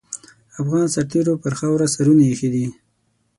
افغان سرتېرو پر خاوره سرونه اېښي دي.